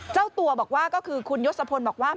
เจ้าตัวบอกว่าก็คือคุณยศพลบอกว่า